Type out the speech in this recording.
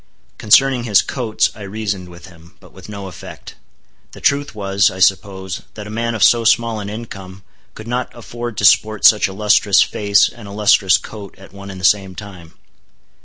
Concerning his coats, I reasoned with him; but with no effect. The truth was, I suppose, that a man of so small an income, could not afford to sport such a lustrous face and a lustrous coat at one and the same time.